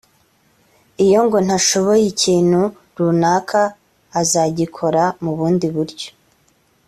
iyo ngo ntashoboye ikintu runaka azagikora mu bundi buryo